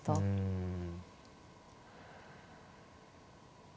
うん。